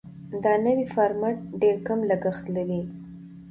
دا نوی فارمټ ډېر کم لګښت لري.